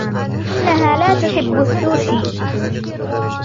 إنها لا تحب السوشي.